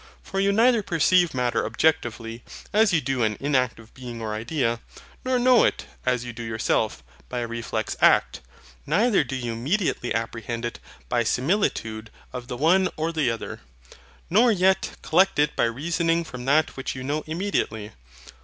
For you neither perceive Matter objectively, as you do an inactive being or idea; nor know it, as you do yourself, by a reflex act, neither do you mediately apprehend it by similitude of the one or the other; nor yet collect it by reasoning from that which you know immediately.